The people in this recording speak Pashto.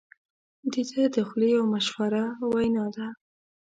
د ده د خولې یوه مشهوره وینا ده.